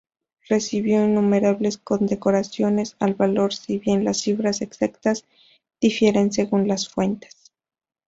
Recibió innumerables condecoraciones al valor, si bien las cifras exactas difieren según las fuentes.